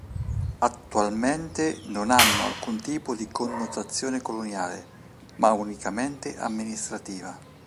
Attualmente non hanno alcun tipo di connotazione coloniale, ma unicamente amministrativa.